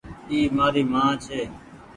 اي مآري مان ڇي۔